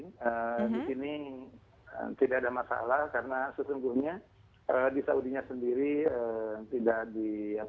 di sini tidak ada masalah karena sesungguhnya di saudinya sendiri tidak di